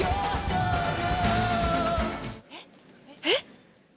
えっ？